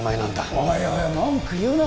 おいおいおい文句言うなよ